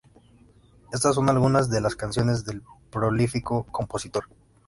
Estas son algunas de las canciones del prolífico compositor.